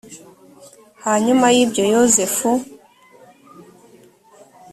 hanyuma y ibyo yozefu